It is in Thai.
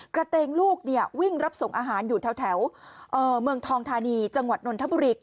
กระเตงลูกวิ่งรับส่งอาหารอยู่แถวเมืองทองธานีจังหวัดนนทบุรี